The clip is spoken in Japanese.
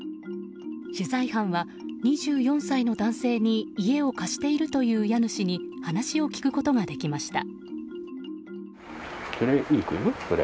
取材班は２４歳の男性に家を貸しているという家主に話を聞くことができました。